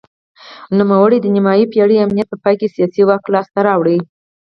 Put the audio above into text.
نوموړي د نیمايي پېړۍ امنیت په پای کې سیاسي واک لاسته راوړ.